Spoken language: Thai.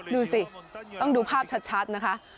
ดูสิต้องดูภาพชัดนะคะ